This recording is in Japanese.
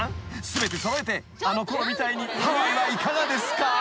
全て揃えてあのころみたいにハワイはいかがですか？］